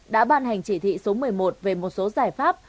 đã ban hành chỉ thị số một mươi một về một số giải pháp